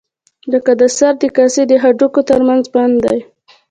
لکه د سر د کاسې د هډوکو تر منځ بند دی.